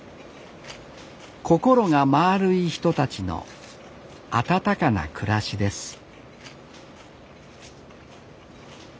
心がまあるい人たちの温かな暮らしです